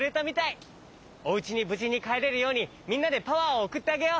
おうちにぶじにかえれるようにみんなでパワーをおくってあげよう！